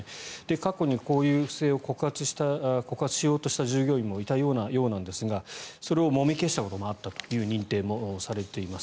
過去に、こういう不正を告発しようとした従業員もいたようなんですがそれをもみ消したこともあったという認定もされています。